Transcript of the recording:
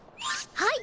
はい！